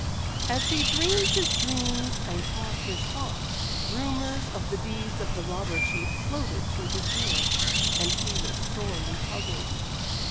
As he dreamed his dreams and thought his thoughts, rumors of the deeds of the Robber Chief floated to his ears, and he was sorely puzzled.